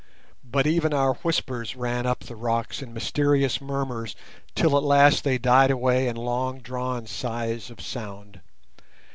But even our whispers ran up the rocks in mysterious murmurs till at last they died away in long drawn sighs of sound.